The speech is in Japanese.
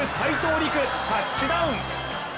陸、タッチダウン！